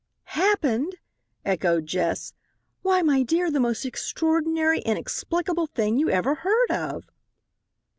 "Happened!" echoed Jess. "Why, my dear, the most extraordinary, inexplicable thing you ever heard of."